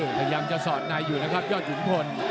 พยายามจะสอดในอยู่นะครับยอดขุนพล